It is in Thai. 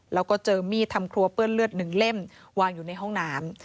แล้วก็เจอมีดทำครัวเปื้อนเลือดหนึ่งเล่มวางอยู่ในห้องน้ำ